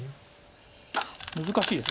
難しいです。